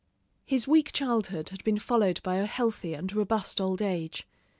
'" His weak childhood had been followed by a healthy and robust old age.